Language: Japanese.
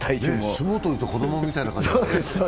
相撲取りと子供みたいな感じ。